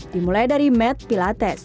dimulai dari mat pilates